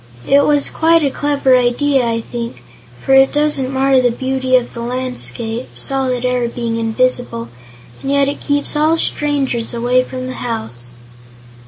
It was quite a clever idea, I think, for it doesn't mar the beauty of the landscape, solid air being invisible, and yet it keeps all strangers away from the house."